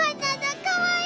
かわいい。